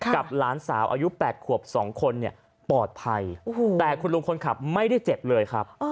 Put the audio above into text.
หลานสาวอายุ๘ขวบ๒คนเนี่ยปลอดภัยแต่คุณลุงคนขับไม่ได้เจ็บเลยครับ